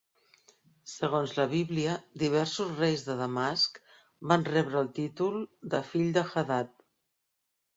Segons la Bíblia, diversos reis de Damasc van rebre el títol de 'fill de Hadad'.